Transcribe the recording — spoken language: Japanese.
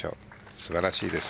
素晴らしいです。